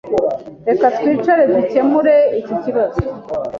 Reka twicare dukemure iki kibazo.